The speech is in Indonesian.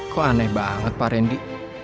kok aneh banget pak randy